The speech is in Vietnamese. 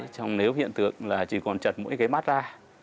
trong nếu hiện tượng là chỉ còn chật mỗi cái mắt ra